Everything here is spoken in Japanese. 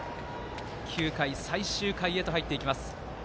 ９回、最終回へと入っていきます。